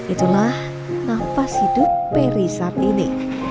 itulah nafas hidup peri saat ini